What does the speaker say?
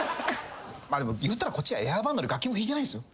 でもいうたらこっちはエアバンドで楽器も弾いてないんですよ。